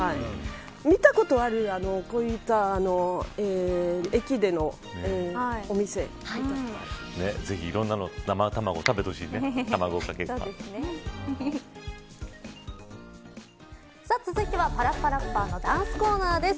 見たことある、こういったぜひ、いろんな生卵続いてはパラッパラッパーのダンスコーナーです。